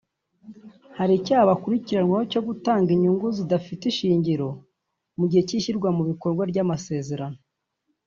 hari icyaha bakurikiranyweho cyo gutanga inyungu zidafite ishingiro mu gihe cy’ishyirwa mu bikorwa ry’amasezerano